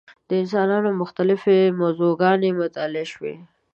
د انسانانو مختلفې موضوع ګانې مطالعه شوې.